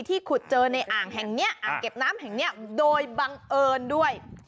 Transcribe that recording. ที่ขุดเจอในอ่างเก็บน้ำแห่งนี้โดยบังเอิญด้วย